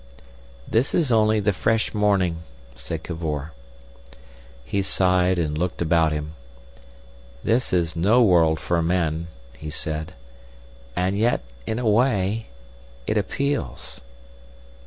"This is only the fresh morning," said Cavor. He sighed and looked about him. "This is no world for men," he said. "And yet in a way—it appeals."